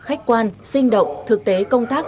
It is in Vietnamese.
khách quan sinh động thực tế công tác